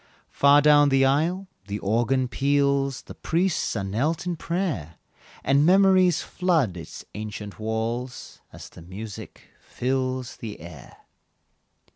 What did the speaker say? Far down the aisle the organ peals, The priests are knelt in prayer And memories flood its ancient walls, As the music fills the air.